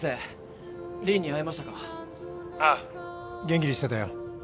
元気にしてたよ